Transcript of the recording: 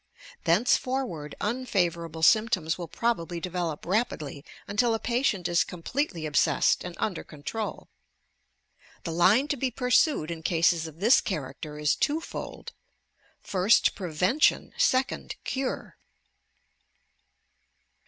Thenceforward, unfavourable aymptoms will probably develop rapidly until the patient ia completely obsessed and under control. The line to be pursued in cases of this character is twofold. First prevention, second cure